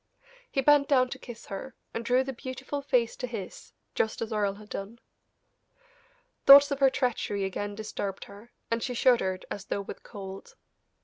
He bent down to kiss her, and drew the beautiful face to his, just as Earle had done. Thoughts of her treachery again disturbed her, and she shuddered as though with cold.